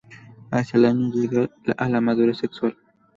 Hacia el año, llega a la madurez sexual.